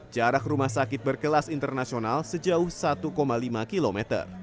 jarak rumah sakit berkelas internasional sejauh satu lima km